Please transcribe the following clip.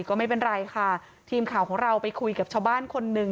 ก็ไม่เป็นไรค่ะทีมข่าวของเราไปคุยกับชาวบ้านคนหนึ่ง